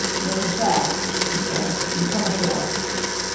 " Make her fast," he said, " and come ashore."